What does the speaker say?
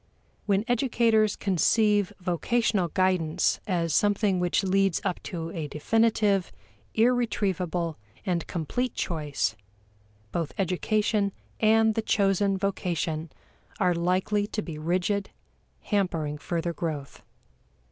When educators conceive vocational guidance as something which leads up to a definitive, irretrievable, and complete choice, both education and the chosen vocation are likely to be rigid, hampering further growth.